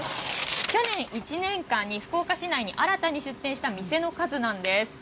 去年１年間に福岡市内に新たに出店した店の数なんです。